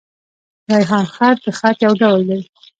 ریحان خط؛ د خط يو ډول دﺉ.